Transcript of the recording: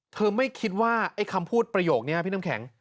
ไม่คิดว่าไอ้คำพูดประโยคนี้พี่น้ำแข็ง